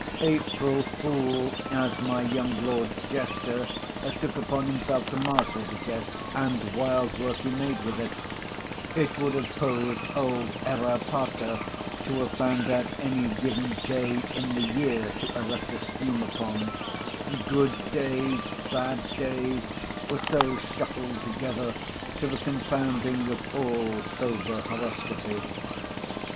April Fool (as my young lord's jester) took upon himself to marshal the guests, and wild work he made with it. It would have posed old Erra Pater to have found out any given Day in the year, to erect a scheme upon—good Days, bad Days, were so shuffled together, to the confounding of all sober horoscopy.